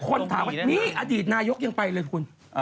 คนถามว่านี่อดีตนายกยังไปเลยคุณ